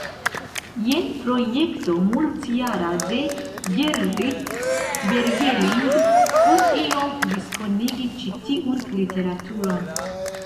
Jen projekto multjara de Gerrit Berveling por iom diskonigi ĉi tiun literaturon.